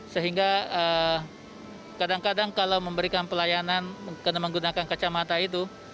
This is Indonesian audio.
sehingga kadang kadang kalau memberikan pelayanan karena menggunakan kacamata itu